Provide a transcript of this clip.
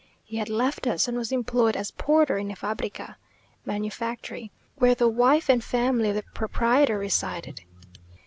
He had left us, and was employed as porter in a fabrica (manufactory), where the wife and family of the proprietor resided.